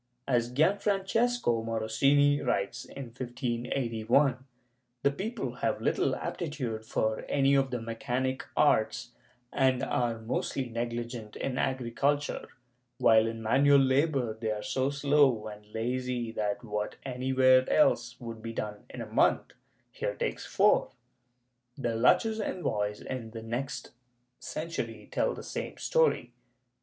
As Gianfrancesco Morosini writes, in 1581, the people have little aptitude for any of the mechanic arts, and are most negligent in agriculture, while in manual labor they are so slow and lazy that what anywhere else would be done in a month, here takes four.^ The Lucchese* envoys, in the next century, tell the same story.